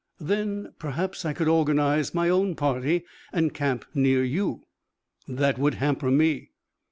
"Then perhaps I could organize my own party and camp near you." "That would hamper me."